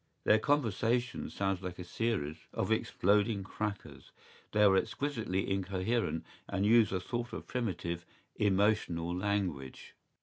¬Ý Their conversation sounds like a series of exploding crackers; they are exquisitely incoherent and use a sort of primitive, emotional language.